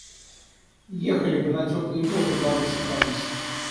Ехали бы на теплые воды, благо собрались.